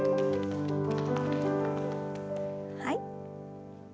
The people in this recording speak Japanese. はい。